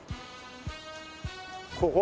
ここ？